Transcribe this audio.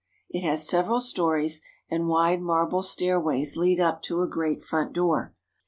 It has several stories, and wide marble stairways lead up to a great front door.